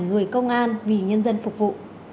người công an vì nhân dân phục vụ